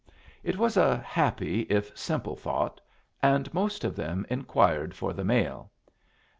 It was a happy, if simple, thought, and most of them inquired for the mail.